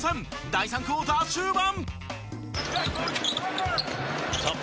第３クオーター終盤。